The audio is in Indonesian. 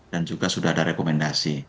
dan juga sudah ada rekomendasi